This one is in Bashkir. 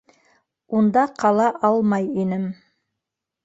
Унда ҡала алмай инем.